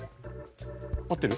合ってる？